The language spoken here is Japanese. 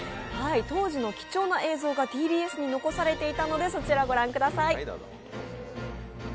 当時の貴重な映像がＴＢＳに残されていたのでそちら御覧ください。